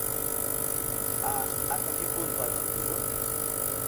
A ata que punto hai partido?